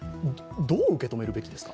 どう受け止めるべきですか。